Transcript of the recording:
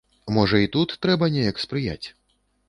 Можа, і тут трэба неяк спрыяць?